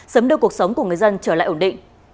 sớm đưa cuộc sống của người dân trở lại ổn định